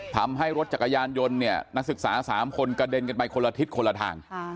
ทำให้รถจักรยานยนต์เนี่ยนักศึกษา๓คนกระเด็นกันไปคนละทิศคนละทาง